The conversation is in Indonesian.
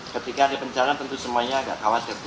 ketika ada bencana tentu semuanya agak khawatir